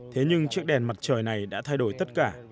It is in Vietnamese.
thế nhưng chiếc đèn mặt trời này đã thay đổi tất cả